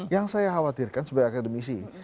yang saya khawatirkan sebagai akademisi